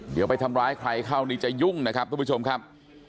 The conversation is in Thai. เดี๋ยวไปทำร้ายใครเข้านี่จะยุ่งนะครับทุกผู้ชมครับ